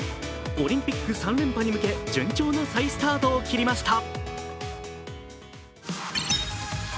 オリンピック３連覇に向け順調の再スタートを切りました。